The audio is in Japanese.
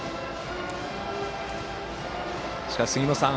しかし、杉本さん